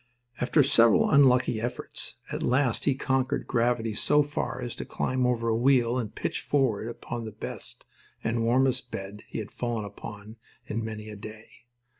After several unlucky efforts, at last he conquered gravity so far as to climb over a wheel and pitch forward upon the best and warmest bed he had fallen upon in many a day.